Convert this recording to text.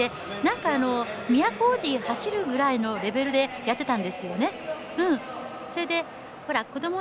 なんか、宮小路を走るぐらいのレベルでやっていたんですよね。